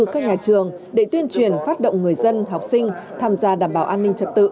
các nhà trường để tuyên truyền phát động người dân học sinh tham gia đảm bảo an ninh trật tự